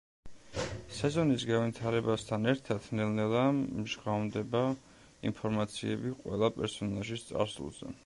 სეზონის განვითარებასთან ერთად ნელ-ნელა მჟღავნდება ინფორმაციები ყველა პერსონაჟის წარსულზე.